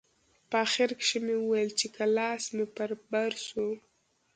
په اخر کښې مې وويل چې که لاس مې پر بر سو.